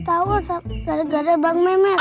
kita ketawa gara gara bang mehmet